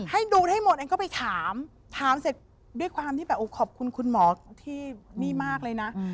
ให้ดูได้หมดเองก็ไปถามถามเสร็จด้วยความที่แบบโอ้ขอบคุณคุณหมอที่นี่มากเลยนะ